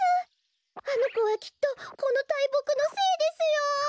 あのこはきっとこのたいぼくの精ですよ。